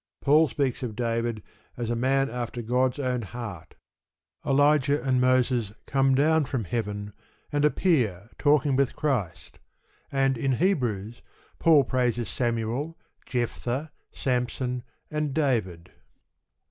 Paul speaks of David as a "man after God's own heart"; Elijah and Moses come down from heaven, and appear talking with Christ; and, in Hebrews, Paul praises Samuel, Jephtha, Samson, and David.